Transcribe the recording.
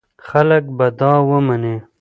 خلک به دا ومني.